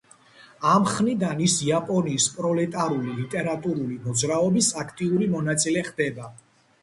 ამ ხნიდან ის იაპონიის პროლეტარული ლიტერატურული მოძრაობის აქტიური მონაწილე ხდება.